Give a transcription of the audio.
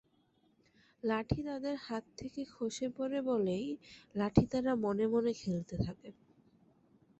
লাঠি তাদের হাত থেকে খসে পড়ে বলেই লাঠি তারা মনে মনে খেলতে থাকে।